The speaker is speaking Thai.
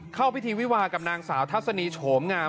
เข้าพิธีวิวากับนางสาวทัศนีโฉมงาม